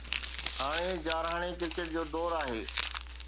هاڻي جارحاڻي ڪرڪيٽ جو دور آهي.